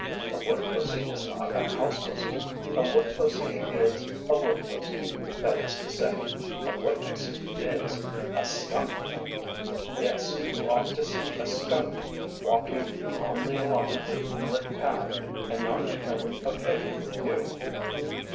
” A wood pussy is not a house pussy; a wood pussy is a wood pussy; that is to say, a wood pussy is a skunk! Yes, you ought to see a skunk walking calmly along a moonlit path and not caring a fig for you.